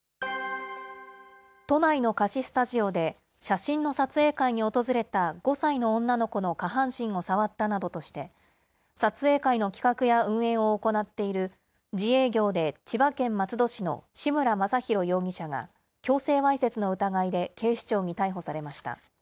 都内の貸しスタジオで、写真の撮影会に訪れた５歳の女の子の下半身を触ったなどとして、撮影会の企画や運営を行っている自営業で千葉県松戸市の志村正浩容疑者が、強制わいせつの疑いで警視庁に逮捕されました。